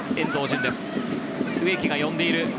植木が呼んでいる。